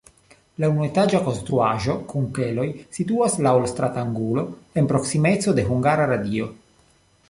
La unuetaĝa konstruaĵo kun keloj situas laŭ stratangulo en proksimeco de Hungara Radio.